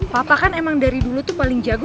papa kan emang dari dulu tuh paling jago